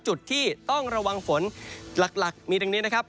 จุดที่ต้องระวังฝนหลักมีดังนี้นะครับ